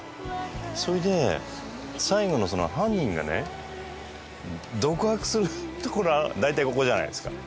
それで最後のその犯人がね独白するところだいたいここじゃないですか。